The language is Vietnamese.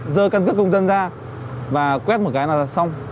dơ căn cước công dân ra và quét một cái là xong